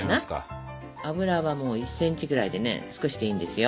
油はもう１センチぐらいでね少しでいいんですよ。